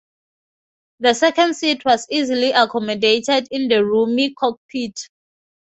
The second seat was easily accommodated in the roomy cockpit.